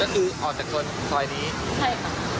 แล้วคือออกจากชนซอยนี้